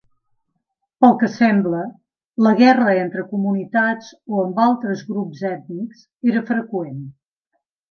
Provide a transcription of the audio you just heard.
Pel que sembla, la guerra entre comunitats o amb altres grups ètnics era freqüent.